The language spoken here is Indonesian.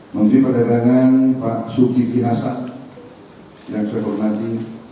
menteri perdagangan pak zulkifli hasan yang saya hormati